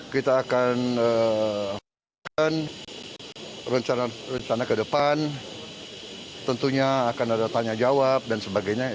kita akan rencana rencana ke depan tentunya akan ada tanya jawab dan sebagainya